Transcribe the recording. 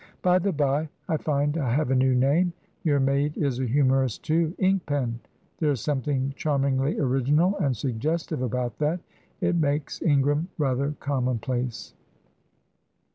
By the bye, I find I have a new name your maid is a humourist too. 'Ink pen' there is something charmingly original and suggestive about that. It makes Ingram rather commonplace."